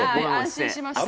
安心しました。